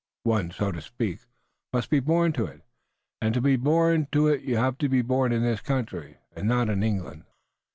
One, so to speak, must be born to it, and to be born to it you have to be born in this country, and not in England."